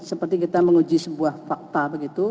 seperti kita menguji sebuah fakta begitu